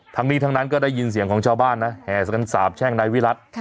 ทั้งนี้ทั้งนั้นก็ได้ยินเสียงของชาวบ้านนะแห่กันสาบแช่งนายวิรัติ